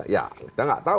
ya kita gak tahu